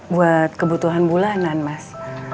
buat kebutuhan bulanan mas